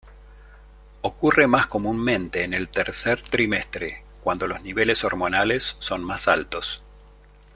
Ocurre más comúnmente en el tercer trimestre, cuando los niveles hormonales son más altos.